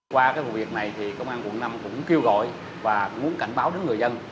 qua cái vụ việc này thì công an quận năm cũng kêu gọi và muốn cảnh báo đến người dân